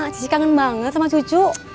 cici kangen banget sama cucu